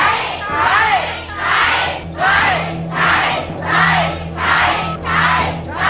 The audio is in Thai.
ใช้